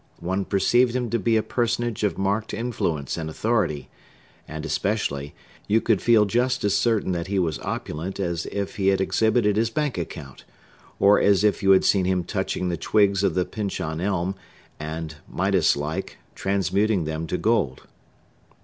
One perceived him to be a personage of marked influence and authority; and, especially, you could feel just as certain that he was opulent as if he had exhibited his bank account, or as if you had seen him touching the twigs of the Pyncheon Elm, and, Midas like, transmuting them to gold.